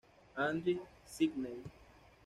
Andrew, Sydney.